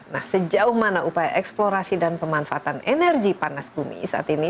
nah sejauh mana upaya eksplorasi dan pemanfaatan energi panas bumi saat ini